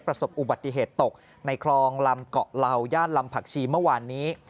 ประสบอุบัติเหตุตกในคลองลำเกาะเหล่าย่านลำผักชีเมื่อวานนี้